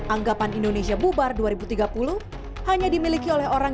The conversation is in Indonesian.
anggapan indonesia bubar dua ribu tiga puluh